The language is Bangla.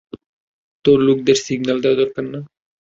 তোর লোকদের সিগন্যাল দেওয়া দরকার না?